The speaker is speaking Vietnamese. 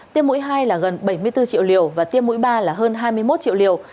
tiêm mũi hai là gần bảy mươi bốn triệu liều và tiêm mũi ba là hơn hai mươi một triệu liều